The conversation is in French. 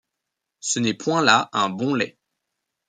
Ce n’est point là un bon lait.